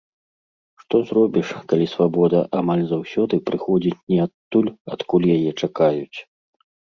Што зробіш, калі свабода амаль заўсёды прыходзіць не адтуль, адкуль яе чакаюць.